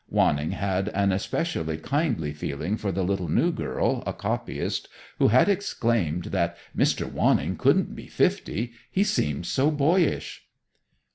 Wanning had an especially kindly feeling for the little new girl, a copyist, who had exclaimed that "Mr. Wanning couldn't be fifty; he seemed so boyish!"